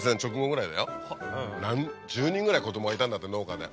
１０人ぐらい子供がいたんだって農家で。